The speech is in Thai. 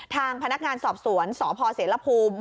ทางพนักงานสอบสวนสพเสรภูมิ